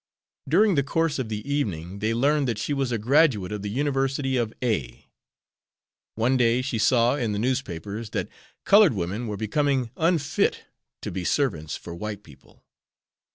During the course of the evening they learned that she was a graduate of the University of A . One day she saw in the newspapers that colored women were becoming unfit to be servants for white people.